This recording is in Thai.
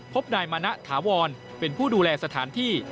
พบนายมณะถาวรเป็นผู้ดูแลสถานที่